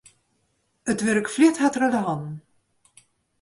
It wurk fljocht har troch de hannen.